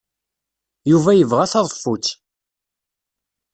Yuba yebɣa taḍeffut.